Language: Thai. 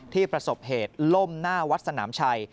ประสบเหตุล่มหน้าวัดสนามชัย